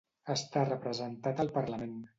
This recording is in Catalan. Està representat al parlament.